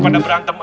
pada berantem aja